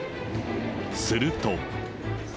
すると。